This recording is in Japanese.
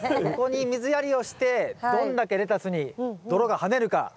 ここに水やりをしてどんだけレタスに泥が跳ねるか。